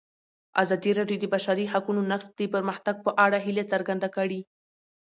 ازادي راډیو د د بشري حقونو نقض د پرمختګ په اړه هیله څرګنده کړې.